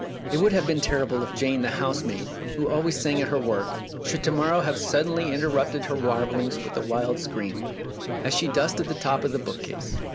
It would have been terrible if Jane, the housemaid, who always sang at her work, should to morrow have suddenly interrupted her warblings with a wild scream, as she dusted the top of the bookcase.